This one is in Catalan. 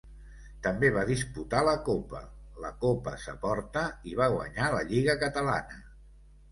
També va disputar la Copa, la Copa Saporta, i va guanyar la Lliga Catalana.